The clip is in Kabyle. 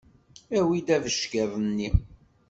Awi-d abeckiḍ-nni!